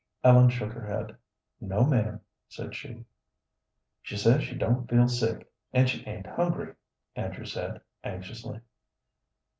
Ellen shook her head. "No, ma'am," said she. "She says she don't feel sick, and she ain't hungry," Andrew said, anxiously.